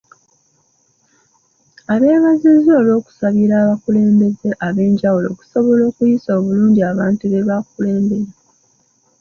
Abeebazizza olw'okusabira abakulembeze ab'enjawulo okusobola okuyisa obulungi abantu be bakulembera.